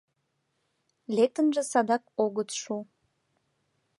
Лектынже садак огыт шу.